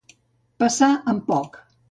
Passar amb poc.